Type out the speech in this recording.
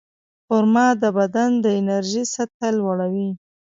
خرما د بدن د انرژۍ سطحه لوړوي.